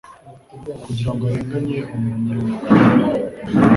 kugira ngo arenganye umunyamurava